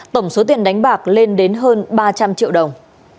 tổng số tiền đánh bạc lên đến hơn ba trăm linh triệu đồng